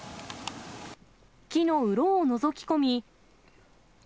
木のうろをのぞき込み。